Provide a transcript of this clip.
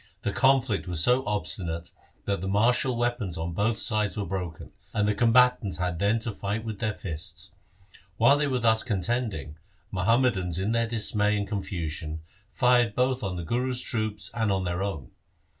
The conflict was so obstinate that the martial weapons on both sides were broken, and the combatants had then to fight with their fists. While they were thus contending, Muhammadans in their dismay and confusion fired both on the Guru's troops and on their own.